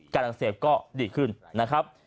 อักเสบก็ดีขึ้นนะครับ